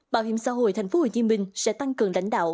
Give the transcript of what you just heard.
bảo hiểm xã hội thành phố hồ chí minh sẽ tăng cường lãnh đạo